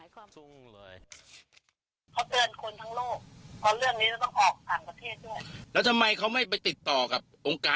จิตเขาก็สูงกว่าเราเพราะฉะนั้นเทคโนโลยีของเรา